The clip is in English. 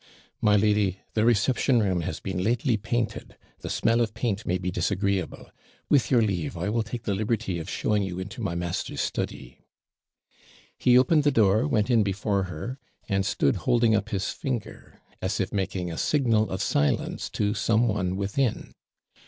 'My lady, the reception room has been lately painted the smell of paint may be disagreeable; with your leave, I will take the liberty of showing you into my master's study.' He opened the door, went in before her, and stood holding up his finger, as if making a signal of silence to some one within.